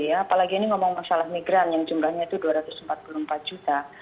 apalagi ini ngomong masalah migran yang jumlahnya itu dua ratus empat puluh empat juta